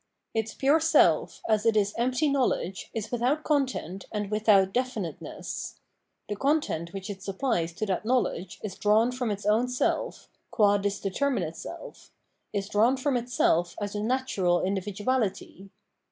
Its pure self, as it is empty knowledge, is without content and without definiteness. The content which it supplies to that knowledge is drawn from its own self, qua this determinate self, is drawn from itself as a natural individuality.